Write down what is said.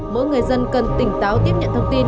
mỗi người dân cần tỉnh táo tiếp nhận thông tin